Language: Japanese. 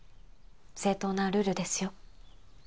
正当なルールですよ